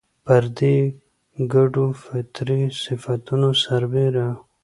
پر دې ګډو فطري صفتونو سربېره